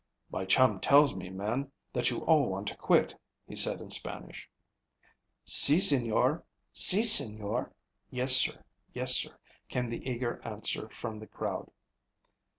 "My chum tells me, men, that you all want to quit," he said in Spanish. "Si, señor, si, señor (Yes sir, yes sir), came the eager answer from the crowd.